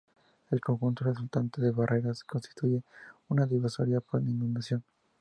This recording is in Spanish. El conjunto resultante de barreras constituye una divisoria por inundación.